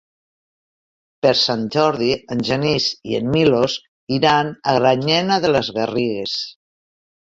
Per Sant Jordi en Genís i en Milos iran a Granyena de les Garrigues.